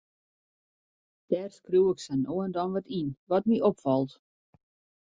Dêr skriuw ik sa no en dan wat yn, wat my opfalt.